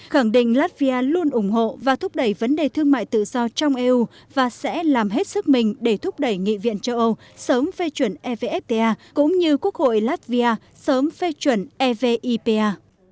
khẳng định latvia luôn ủng hộ và thúc đẩy vấn đề thương mại tự do trong eu và sẽ làm hết sức mình để thúc đẩy nghị viện châu âu sớm phê chuẩn evfta cũng như quốc hội latvia sớm phê chuẩn evipa